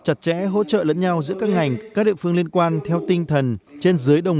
chặt chẽ hỗ trợ lẫn nhau giữa các ngành các địa phương liên quan theo tinh thần trên dưới đồng